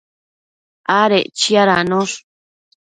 adec chiadanosh